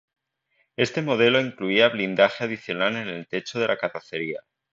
Este modelo incluía blindaje adicional en el techo de la carrocería.